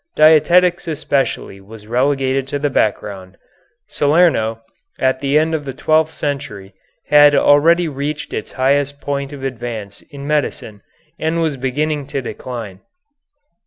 Dietetics especially was relegated to the background. Salerno, at the end of the twelfth century, had already reached its highest point of advance in medicine and was beginning to decline.